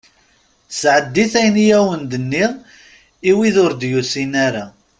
Sɛeddi-t ayen i awen-d-nniɣ i wid ur d-yusin ara.